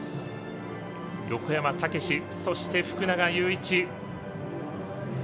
横山武史、そして福永祐一。